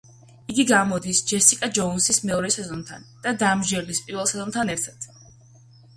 იგი გამოდის „ჯესიკა ჯოუნსის“ მეორე სეზონთან და „დამსჯელის“ პირველ სეზონთან ერთად.